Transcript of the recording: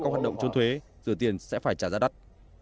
các hoạt động trốn thuế rửa tiền sẽ phải trả giá đắt